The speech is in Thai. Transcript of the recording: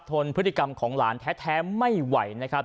ทนพฤติกรรมของหลานแท้ไม่ไหวนะครับ